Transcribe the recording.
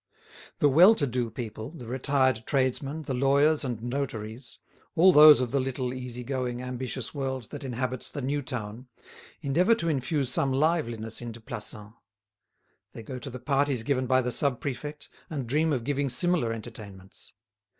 The well to do people, the retired tradesmen, the lawyers and notaries, all those of the little easy going, ambitious world that inhabits the new town, endeavour to infuse some liveliness into Plassans. They go to the parties given by the sub prefect, and dream of giving similar entertainments.